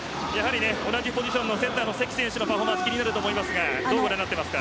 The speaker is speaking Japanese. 同じポジションのセッターの関選手のパフォーマンス気になると思いますがどうですか。